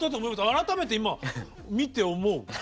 改めて今見て思う。